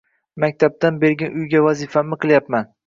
Maktabdan bergan uyga vazifamni qilyapman.